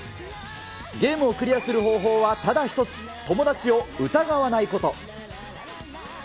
ゲームをクリアする方法はただ１つ、友達を疑わないこと。